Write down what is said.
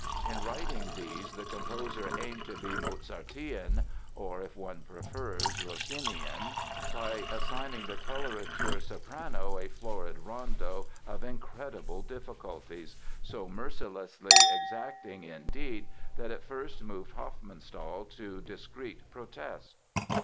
In writing these the composer aimed to be Mozartean (or, if one prefers, Rossinian) by assigning the colorature soprano a florid rondo of incredible difficulties—so mercilessly exacting, indeed, that it first moved Hofmannsthal to discreet protest.